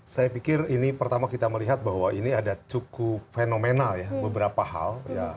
saya pikir ini pertama kita melihat bahwa ini ada cukup fenomenal ya beberapa hal